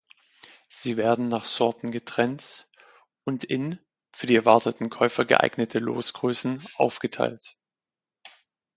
Sie werden nach Sorten getrennt und in für die erwarteten Käufer geeignete Losgrößen aufgeteilt.